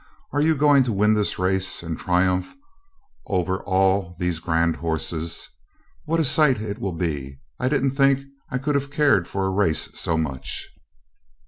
'Are you going to win this race and triumph over all these grand horses? What a sight it will be! I didn't think I could have cared for a race so much.'